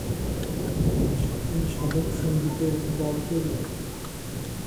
তিনি সাধক সঙ্গীতের দল তৈরী করেন।